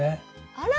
あら！